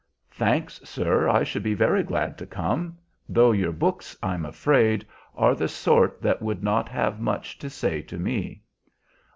"Thanks, sir, I should be very glad to come; though your books, I'm afraid, are the sort that would not have much to say to me."